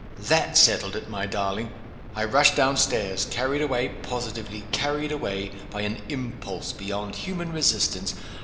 That settled it, my darling! I rushed down stairs carried away, positively carried away, by an Impulse beyond human resistance.